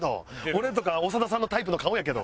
俺とか長田さんのタイプの顔やけど。